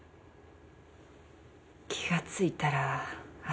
気が付いたら朝で。